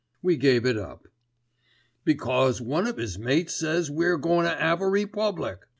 We gave it up. "Because one of 'is mates says we're goin' to 'ave a republic!